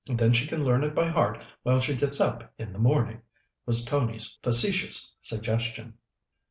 Then she can learn it by heart while she gets up in the morning," was Tony's facetious suggestion.